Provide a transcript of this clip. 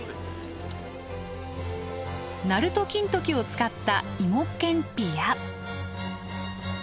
鳴門金時を使った芋けんぴや。